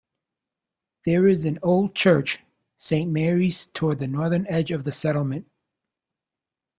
There is an old Church, Saint Mary's toward the northern edge of the settlement.